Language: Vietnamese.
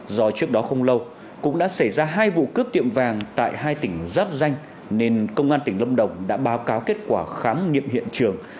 do trước đó không lâu cũng đã xảy ra hai vụ cướp tiệm vàng tại hai tỉnh giáp danh nên công an tỉnh lâm đồng đã báo cáo kết quả khám nghiệm hiện trường